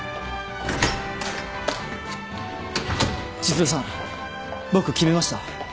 千鶴さん僕決めました。